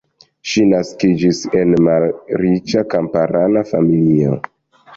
Ŝi naskiĝis en malriĉa kamparana familio.